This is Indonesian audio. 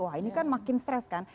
wah ini kan makin stres kan